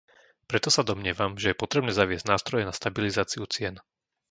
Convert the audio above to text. Preto sa domnievam, že je potrebné zaviesť nástroje na stabilizáciu cien.